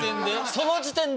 その時点で。